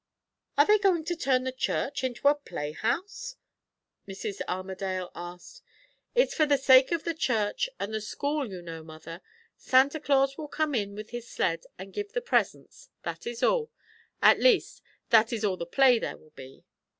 "Are they going to turn the church into a playhouse?" Mrs. Armadale asked. "It's for the sake of the church and the school, you know, mother. Santa Claus will come in with his sled and give his presents, that is all. At least, that is all the play there will be."